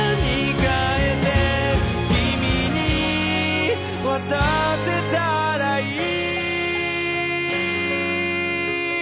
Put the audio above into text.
「君に渡せたらいい」